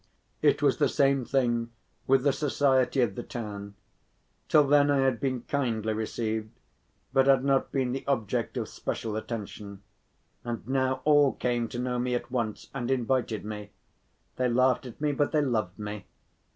It was the same thing with the society of the town. Till then I had been kindly received, but had not been the object of special attention, and now all came to know me at once and invited me; they laughed at me, but they loved me.